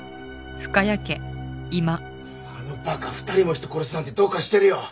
あの馬鹿２人も人殺すなんてどうかしてるよ。